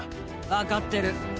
分かってる。